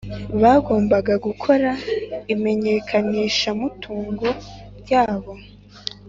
bagombaga gukora imenyekanishamutungo ryabo